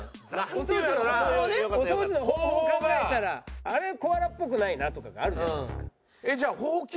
お掃除の方法をねお掃除の方法を考えたらあれコアラっぽくないなとかがあるじゃないですか。